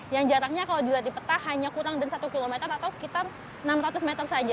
yang jaraknya kalau dilihat di peta hanya kurang dari satu km atau sekitar enam ratus meter saja